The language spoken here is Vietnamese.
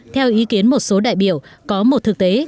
theo ý kiến một số đại biểu có một thực tế